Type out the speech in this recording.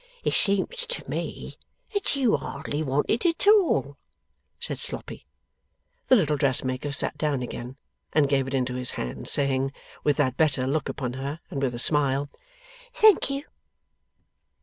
'It seems to me that you hardly want it at all,' said Sloppy. The little dressmaker sat down again, and gave it into his hand, saying, with that better look upon her, and with a smile: 'Thank you!